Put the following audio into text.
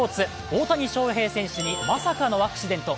大谷翔平選手にまさかのアクシデント。